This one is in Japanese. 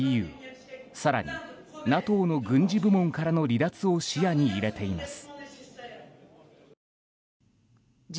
更に、ＮＡＴＯの軍事部門からの離脱を視野に入れています。